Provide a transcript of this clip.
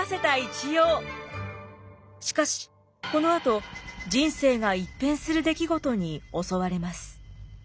しかしこのあと人生が一変する出来事に襲われます。